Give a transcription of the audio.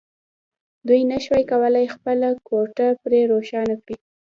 دوی نشوای کولای خپله کوټه پرې روښانه کړي